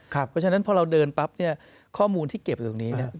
เพราะฉะนั้นพอเราเดินปั๊บเนี่ยข้อมูลที่เก็บอยู่ตรงนี้